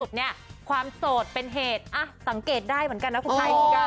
ความโสดเป็นเหตุสังเกตได้เหมือนกันนะคุณไทย